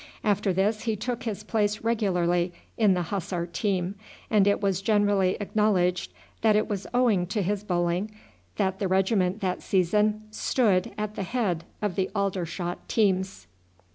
After this he took his place regularly in the Hussar team, and it was generally acknowledged that it was owing to his bowling that the regiment that season stood at the head of the Aldershot teams.